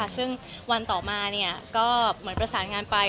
ซึ่งวันต่อมาก็เหมือนประสานงานไป